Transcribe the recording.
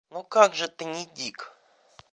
Ну как же ты не дик?